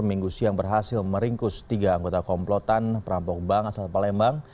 minggu siang berhasil meringkus tiga anggota komplotan perampok bank asal palembang